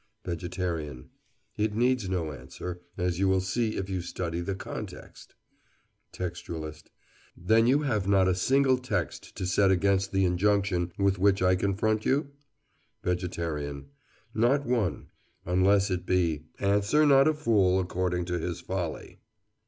VEGETARIAN: It needs no answer, as you will see if you study the context. TEXTUALIST: Then you have not a single text to set against the injunction with which I confront you? VEGETARIAN: Not one—unless it be, "Answer not a fool according to his folly."